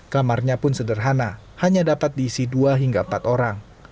kamarnya pun sederhana hanya dapat diisi dua hingga empat orang